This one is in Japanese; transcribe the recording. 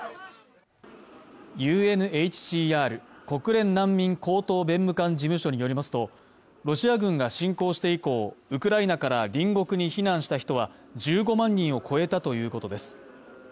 ＵＮＨＣＲ＝国連難民高等弁務官事務所によりますとロシア軍が侵攻して以降、ウクライナから隣国に避難した人は１５万人を超えたということです。